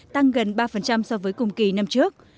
tăng gần ba so với cùng kỳ năm trước